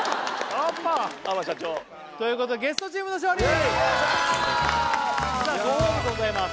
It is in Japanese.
・アパ社長ということでゲストチームの勝利ごほうびございます